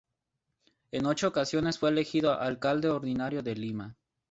En ocho ocasiones fue elegido alcalde ordinario de Lima.